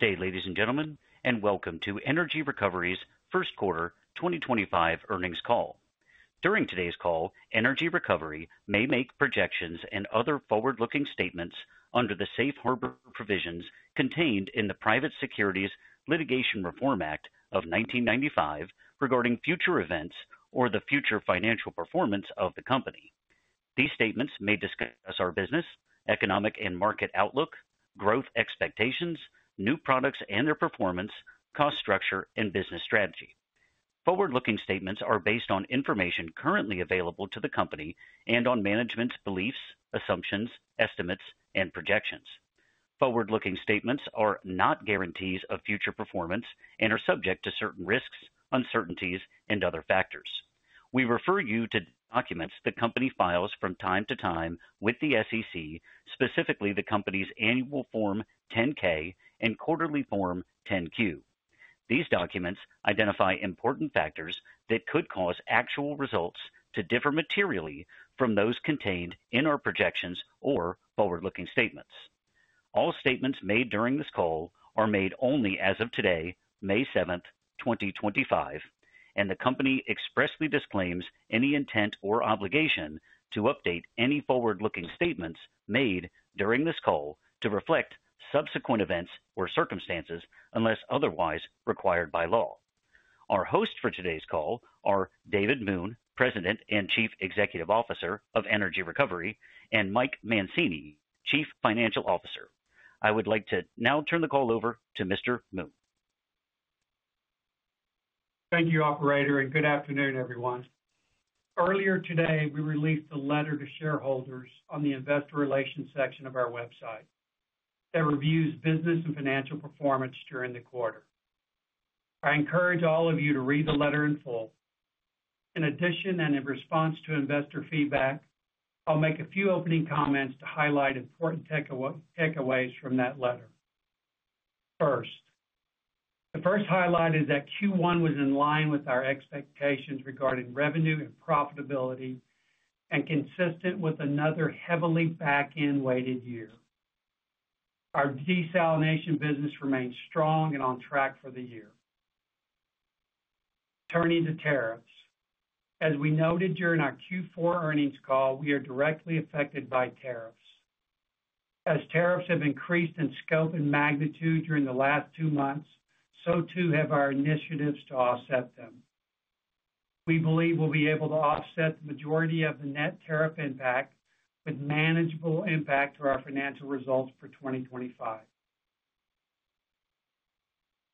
Good day, ladies and gentlemen, and welcome to Energy Recovery's first quarter 2025 earnings call. During today's call, Energy Recovery may make projections and other forward-looking statements under the safe harbor provisions contained in the Private Securities Litigation Reform Act of 1995 regarding future events or the future financial performance of the company. These statements may discuss our business, economic and market outlook, growth expectations, new products and their performance, cost structure, and business strategy. Forward-looking statements are based on information currently available to the company and on management's beliefs, assumptions, estimates, and projections. Forward-looking statements are not guarantees of future performance and are subject to certain risks, uncertainties, and other factors. We refer you to documents the company files from time to time with the SEC, specifically the company's annual form 10-K and quarterly form 10-Q. These documents identify important factors that could cause actual results to differ materially from those contained in our projections or forward-looking statements. All statements made during this call are made only as of today, May 7th, 2025, and the company expressly disclaims any intent or obligation to update any forward-looking statements made during this call to reflect subsequent events or circumstances unless otherwise required by law. Our hosts for today's call are David Moon, President and Chief Executive Officer of Energy Recovery, and Mike Mancini, Chief Financial Officer. I would like to now turn the call over to Mr. Moon. Thank you, Operator, and good afternoon, everyone. Earlier today, we released a letter to shareholders on the investor relations section of our website that reviews business and financial performance during the quarter. I encourage all of you to read the letter in full. In addition, and in response to investor feedback, I'll make a few opening comments to highlight important takeaways from that letter. First, the first highlight is that Q1 was in line with our expectations regarding revenue and profitability and consistent with another heavily back-end weighted year. Our desalination business remains strong and on track for the year. Turning to tariffs, as we noted during our Q4 earnings call, we are directly affected by tariffs. As tariffs have increased in scope and magnitude during the last two months, so too have our initiatives to offset them. We believe we'll be able to offset the majority of the net tariff impact with manageable impact to our financial results for 2025.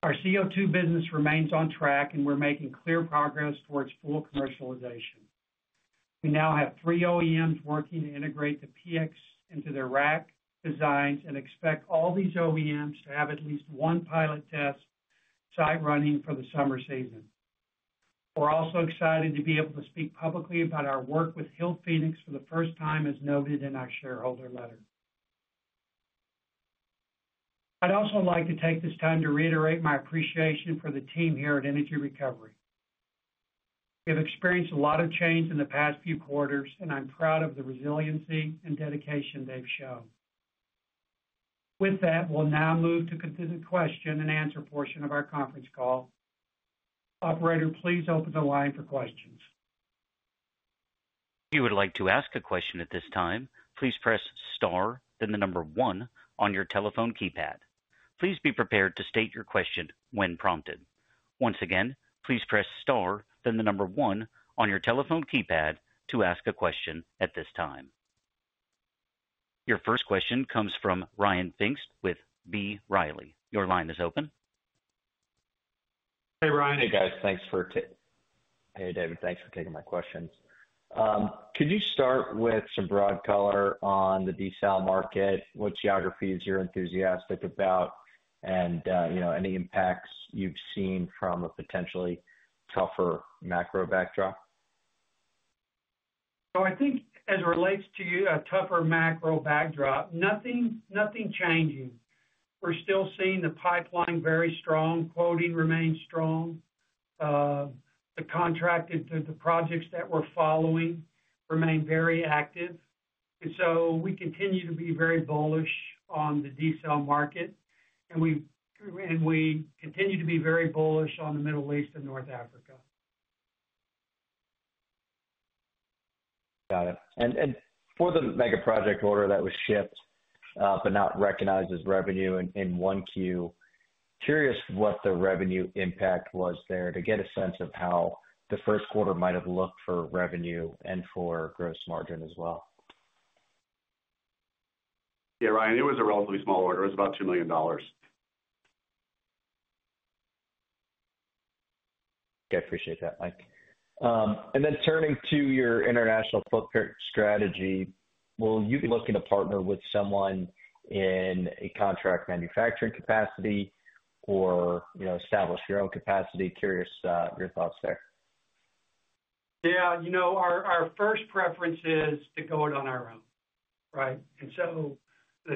Our CO2 business remains on track, and we're making clear progress towards full commercialization. We now have three OEMs working to integrate the PX into their rack designs and expect all these OEMs to have at least one pilot test site running for the summer season. We're also excited to be able to speak publicly about our work with Hillphoenix for the first time, as noted in our shareholder letter. I'd also like to take this time to reiterate my appreciation for the team here at Energy Recovery. We have experienced a lot of change in the past few quarters, and I'm proud of the resiliency and dedication they've shown. With that, we'll now move to the question and answer portion of our conference call. Operator, please open the line for questions. If you would like to ask a question at this time, please press star, then the number one on your telephone keypad. Please be prepared to state your question when prompted. Once again, please press star, then the number one on your telephone keypad to ask a question at this time. Your first question comes from Ryan Finks with B. Riley. Your line is open. Hey, Ryan. Hey, guys. Thanks for—hey, David. Thanks for taking my questions. Could you start with some broad color on the desal market? What geographies are you enthusiastic about, and any impacts you've seen from a potentially tougher macro backdrop? I think as it relates to a tougher macro backdrop, nothing changing. We're still seeing the pipeline very strong. Quoting remains strong. The contracted projects that we're following remain very active. We continue to be very bullish on the desal market, and we continue to be very bullish on the Middle East and North Africa. Got it. For the mega project order that was shipped but not recognized as revenue in 1Q, curious what the revenue impact was there to get a sense of how the first quarter might have looked for revenue and for gross margin as well. Yeah, Ryan, it was a relatively small order. It was about $2 million. Okay. I appreciate that, Mike. Turning to your international footprint strategy, will you be looking to partner with someone in a contract manufacturing capacity or establish your own capacity? Curious your thoughts there. Yeah. Our first preference is to go it on our own, right? To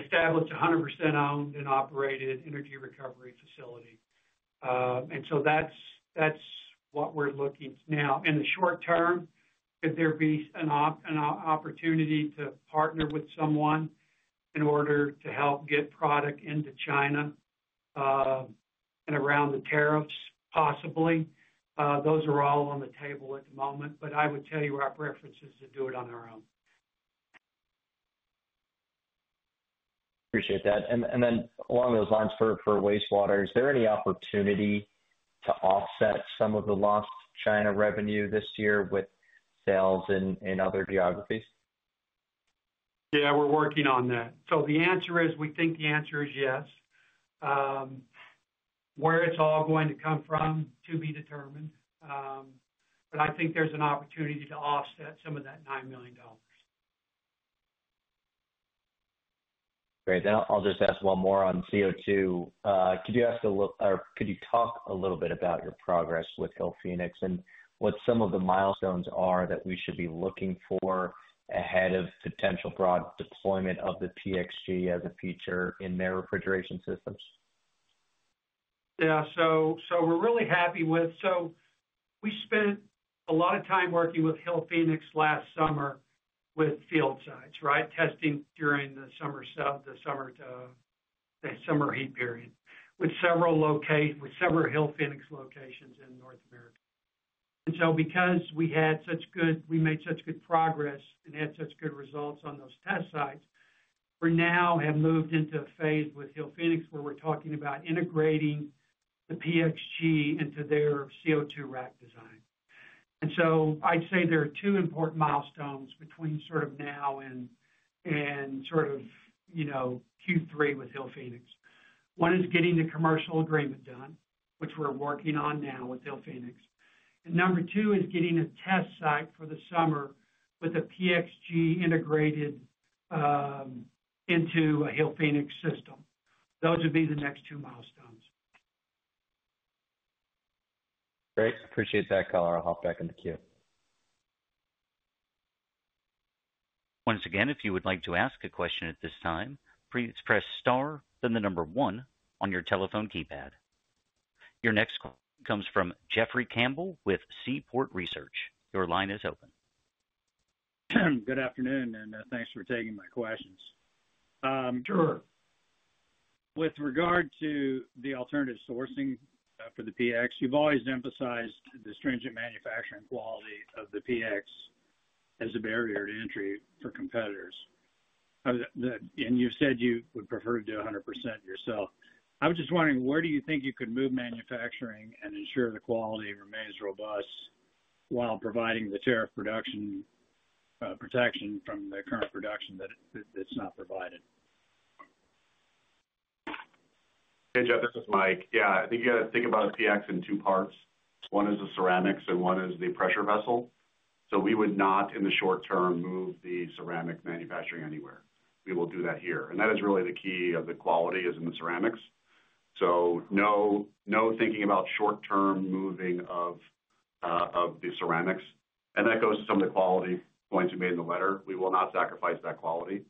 establish a 100% owned and operated Energy Recovery facility. That is what we are looking at now. In the short term, could there be an opportunity to partner with someone in order to help get product into China and around the tariffs, possibly? Those are all on the table at the moment, but I would tell you our preference is to do it on our own. Appreciate that. Along those lines for wastewater, is there any opportunity to offset some of the lost China revenue this year with sales in other geographies? Yeah, we're working on that. The answer is we think the answer is yes. Where it's all going to come from to be determined, but I think there's an opportunity to offset some of that $9 million. Great. I'll just ask one more on CO2. Could you talk a little bit about your progress with Hillphoenix and what some of the milestones are that we should be looking for ahead of potential broad deployment of the PX G as a feature in their refrigeration systems? Yeah. We are really happy with—so we spent a lot of time working with Hillphoenix last summer with field sites, right, testing during the summer to summer heat period with several Hillphoenix locations in North America. Because we had such good—we made such good progress and had such good results on those test sites, we now have moved into a phase with Hillphoenix where we are talking about integrating the PX G into their CO2 rack design. I would say there are two important milestones between sort of now and sort of Q3 with Hillphoenix. One is getting the commercial agreement done, which we are working on now with Hillphoenix. Number two is getting a test site for the summer with a PX G integrated into a Hillphoenix system. Those would be the next two milestones. Great. Appreciate that, Color. I'll hop back into Q. Once again, if you would like to ask a question at this time, please press star, then the number one on your telephone keypad. Your next call comes from Jeffrey Campbell with Seaport Research. Your line is open. Good afternoon, and thanks for taking my questions. Sure. With regard to the alternative sourcing for the PX, you've always emphasized the stringent manufacturing quality of the PX as a barrier to entry for competitors. You said you would prefer to do 100% yourself. I was just wondering, where do you think you could move manufacturing and ensure the quality remains robust while providing the tariff production protection from the current production that's not provided? Hey, Jeff, this is Mike. Yeah, I think you got to think about a PX in two parts. One is the ceramics, and one is the pressure vessel. We would not, in the short term, move the ceramic manufacturing anywhere. We will do that here. That is really the key of the quality is in the ceramics. No thinking about short-term moving of the ceramics. That goes to some of the quality points we made in the letter. We will not sacrifice that quality.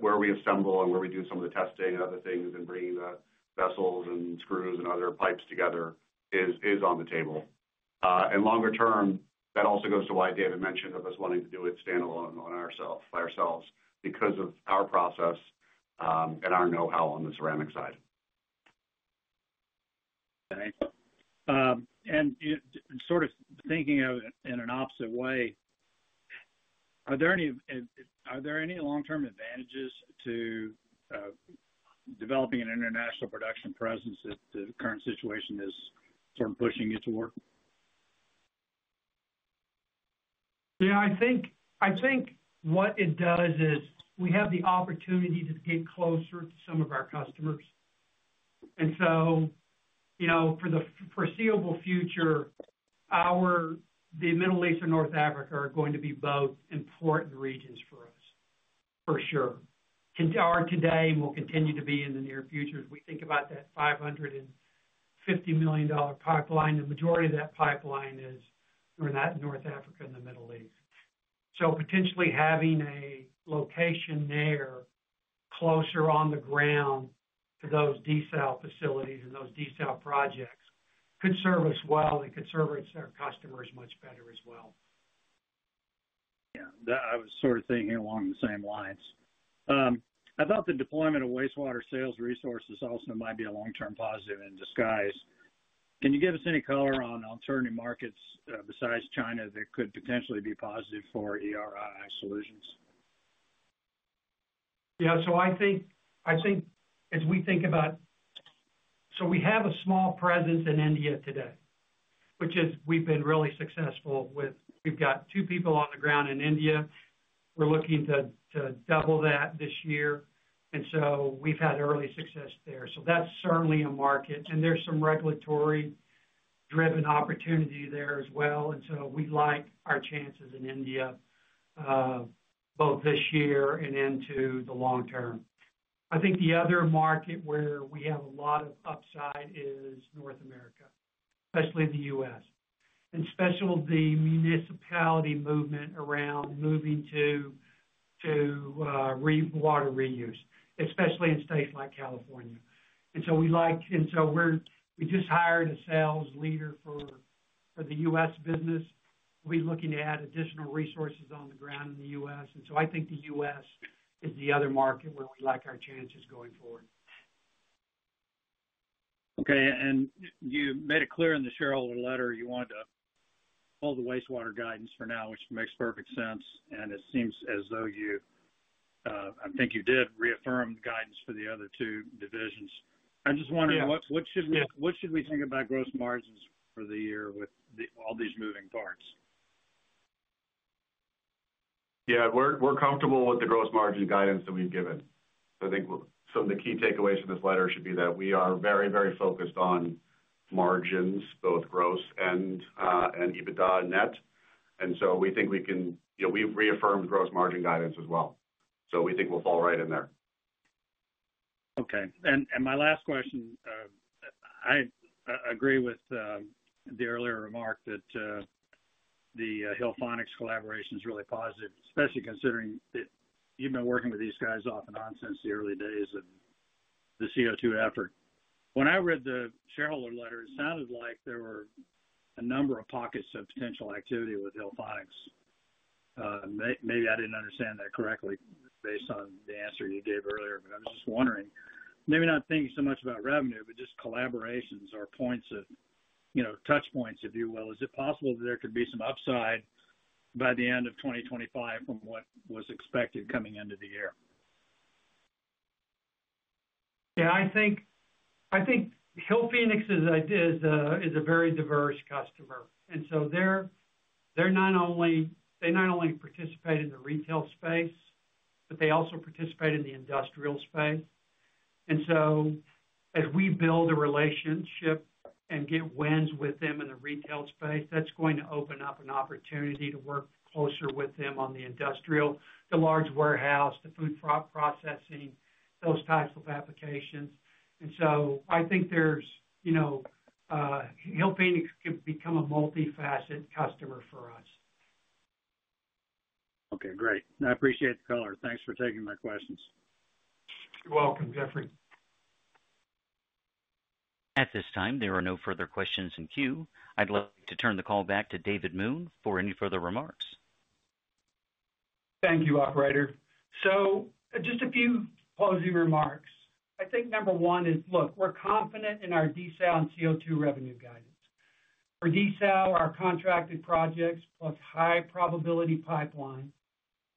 Where we assemble and where we do some of the testing and other things and bringing the vessels and screws and other pipes together is on the table. Longer term, that also goes to why David mentioned of us wanting to do it standalone by ourselves because of our process and our know-how on the ceramic side. Thanks. Sort of thinking in an opposite way, are there any long-term advantages to developing an international production presence if the current situation is sort of pushing you toward? Yeah. I think what it does is we have the opportunity to get closer to some of our customers. For the foreseeable future, the Middle East and North Africa are going to be both important regions for us, for sure, are today and will continue to be in the near future. If we think about that $550 million pipeline, the majority of that pipeline is in North Africa and the Middle East. Potentially having a location there closer on the ground to those desal facilities and those desal projects could serve us well and could serve our customers much better as well. Yeah. I was sort of thinking along the same lines. I thought the deployment of wastewater sales resources also might be a long-term positive in disguise. Can you give us any color on alternative markets besides China that could potentially be positive for ERI solutions? Yeah. I think as we think about it, we have a small presence in India today, which we've been really successful with. We've got two people on the ground in India. We're looking to double that this year. We've had early success there. That's certainly a market. There's some regulatory-driven opportunity there as well. We like our chances in India, both this year and into the long term. I think the other market where we have a lot of upside is North America, especially the U.S., and especially the municipality movement around moving to water reuse, especially in states like California. We like it, and we just hired a sales leader for the U.S. business. We'll be looking to add additional resources on the ground in the U.S. I think the U.S. is the other market where we like our chances going forward. Okay. You made it clear in the shareholder letter you wanted to hold the wastewater guidance for now, which makes perfect sense. It seems as though you—I think you did reaffirm the guidance for the other two divisions. I'm just wondering, what should we think about gross margins for the year with all these moving parts? Yeah. We're comfortable with the gross margin guidance that we've given. I think some of the key takeaways from this letter should be that we are very, very focused on margins, both gross and EBITDA net. We think we can—we've reaffirmed gross margin guidance as well. We think we'll fall right in there. Okay. My last question, I agree with the earlier remark that the Hillphoenix collaboration is really positive, especially considering that you've been working with these guys off and on since the early days of the CO2 effort. When I read the shareholder letter, it sounded like there were a number of pockets of potential activity with Hillphoenix. Maybe I didn't understand that correctly based on the answer you gave earlier, but I was just wondering, maybe not thinking so much about revenue, but just collaborations or points of touchpoints, if you will, is it possible that there could be some upside by the end of 2025 from what was expected coming into the year? Yeah. I think Hillphoenix is a very diverse customer. They not only participate in the retail space, but they also participate in the industrial space. As we build a relationship and get wins with them in the retail space, that's going to open up an opportunity to work closer with them on the industrial, the large warehouse, the food processing, those types of applications. I think Hillphoenix could become a multifaceted customer for us. Okay. Great. I appreciate the color. Thanks for taking my questions. You're welcome, Jeffrey. At this time, there are no further questions in Q. I'd like to turn the call back to David Moon for any further remarks. Thank you, Operator. Just a few closing remarks. I think number one is, look, we're confident in our desal CO2 revenue guidance. Our desal, our contracted projects, plus high-probability pipeline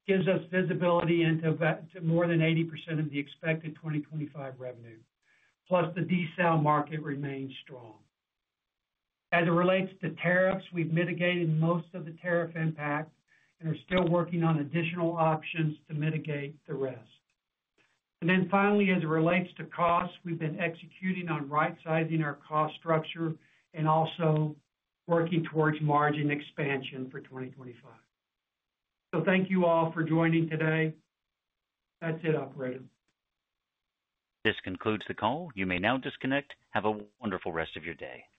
gives us visibility into more than 80% of the expected 2025 revenue, plus the desal market remains strong. As it relates to tariffs, we've mitigated most of the tariff impact and are still working on additional options to mitigate the rest. Finally, as it relates to costs, we've been executing on right-sizing our cost structure and also working towards margin expansion for 2025. Thank you all for joining today. That's it, Operator. This concludes the call. You may now disconnect. Have a wonderful rest of your day. Good.